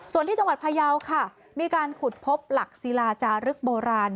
ส่วนที่จังหวัดพยาวค่ะมีการขุดพบหลักศิลาจารึกโบราณ